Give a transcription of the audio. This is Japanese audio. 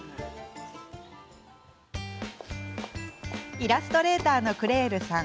イラストレーターのクレールさん。